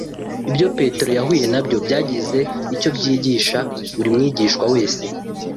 Ibyo Petero yahuye nabyo byagize icyo byigisha buri mwigishwa wese